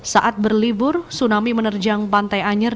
saat berlibur tsunami menerjang pantai anyer